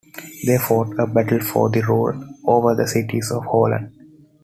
They fought a battle for the rule over the cities of Holland.